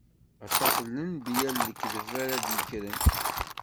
Aṭas n lenbiya n lekdeb ara d-ikkren.